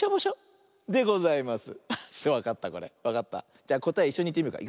じゃこたえいっしょにいってみようか。